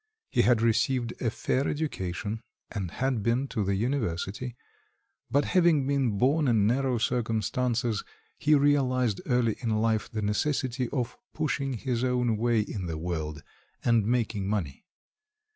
He had received a fair education and had been to the university; but having been born in narrow circumstances he realized early in life the necessity of pushing his own way in the world and making money.